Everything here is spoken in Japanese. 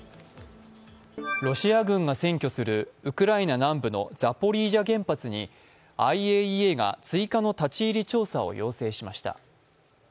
ロシア軍が占拠するウクライナ南部のザポリージャ原発にＩＡＥＡが追加の立入調査を要請しました。